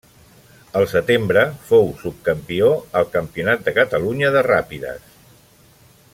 El setembre fou subcampió al Campionat de Catalunya de Ràpides.